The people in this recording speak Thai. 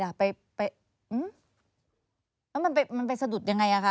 อ้าวยังไงล่ะมันไปสะดุดยังไงล่ะคะ